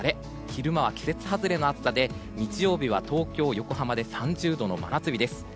昼間は季節外れの暑さで日曜日は東京、横浜で３０度の真夏日です。